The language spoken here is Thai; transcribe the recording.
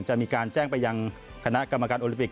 จะมีการแจ้งไปยังคณะกรรมการโอลิปิก